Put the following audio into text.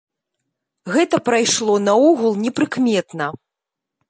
Гэта прайшло наогул непрыкметна.